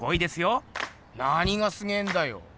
なにがすげえんだよ？